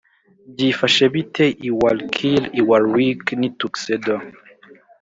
Byifashe bite i Wallkill i Warwick n i Tuxedo